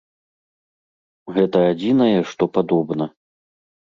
Гэта адзінае, што падобна.